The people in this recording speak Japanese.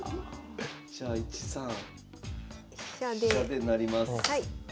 じゃあ１三飛車で成ります。